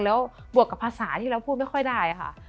แล้วบวกกับภาษาที่เราพูดไม่ค่อยได้ค่ะ